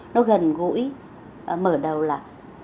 nó gần gũi mở đầu là